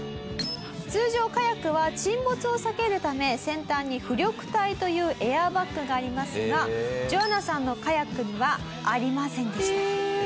通常カヤックは沈没を避けるため先端に浮力体というエアバッグがありますがジョアナさんのカヤックにはありませんでした。